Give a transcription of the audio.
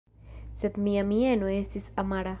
Sed mia mieno estis amara.